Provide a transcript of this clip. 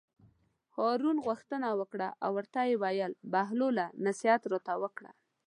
هارون غوښتنه وکړه او ورته ویې ویل: بهلوله نصیحت راته وکړه.